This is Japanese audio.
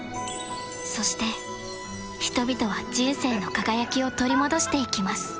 そして人々は人生の輝きを取り戻していきます